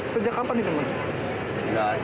sejak kapan ini